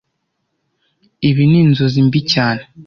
Ibi ni inzozi mbi cyane